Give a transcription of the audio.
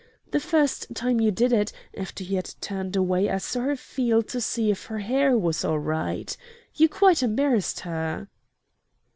The first time you did it, after you had turned away I saw her feel to see if her hair was all right. You quite embarrassed her."